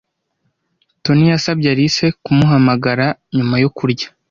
Toni yasabye Alice kumuhamagara nyuma yo kurya.